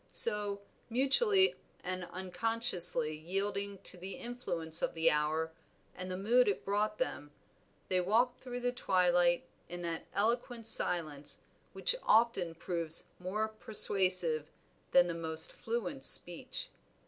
So, mutually and unconsciously yielding to the influence of the hour and the mood it brought them, they walked through the twilight in that eloquent silence which often proves more persuasive than the most fluent speech.